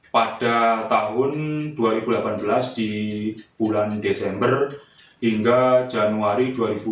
pada tahun dua ribu delapan belas di bulan desember hingga januari dua ribu dua puluh